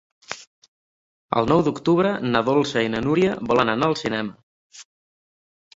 El nou d'octubre na Dolça i na Núria volen anar al cinema.